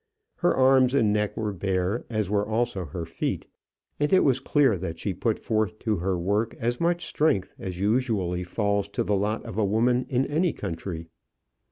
Her arms and neck were bare, as were also her feet; and it was clear that she put forth to her work as much strength as usually falls to the lot of a woman in any country.